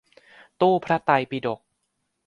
ตู้พระไตรปิฎก